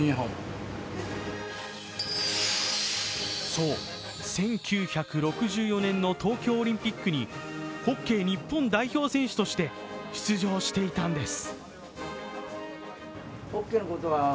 そう、１９６４年の東京オリンピックにホッケー日本代表選手として出場していたんです。